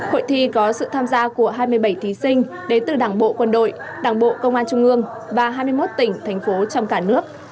hội thi có sự tham gia của hai mươi bảy thí sinh đến từ đảng bộ quân đội đảng bộ công an trung ương và hai mươi một tỉnh thành phố trong cả nước